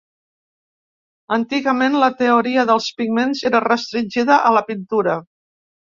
Antigament, la teoria dels pigments era restringida a la pintura.